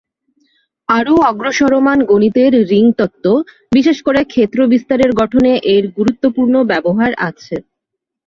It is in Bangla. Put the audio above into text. আরও অগ্রসরমান গণিতের রিং তত্ত্ব, বিশেষ করে ক্ষেত্র বিস্তারের গঠনে এর গুরুত্বপূর্ণ ব্যবহার আছে।